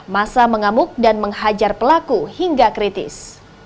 masa mengamuk dan menghajar pelaku hingga kritis